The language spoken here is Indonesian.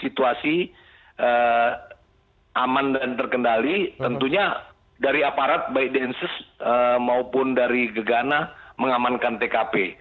situasi aman dan terkendali tentunya dari aparat baik densus maupun dari gegana mengamankan tkp